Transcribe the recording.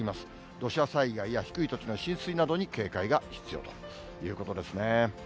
土砂災害や低い土地の浸水などに警戒が必要ということですね。